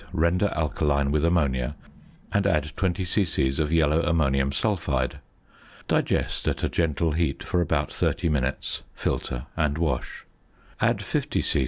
render alkaline with ammonia, and add 20 c.c. of yellow ammonium sulphide. Digest at a gentle heat for about thirty minutes, filter, and wash. Add 50 c.c.